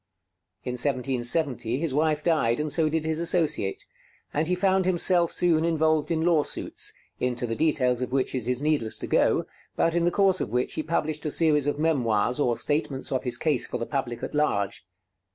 In 1770 his wife died, and so did his associate; and he found himself soon involved in lawsuits, into the details of which it is needless to go, but in the course of which he published a series of memoirs, or statements of his case for the public at large.